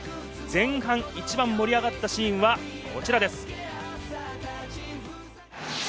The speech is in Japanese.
前半、一番盛り上がったシーンはこちらです。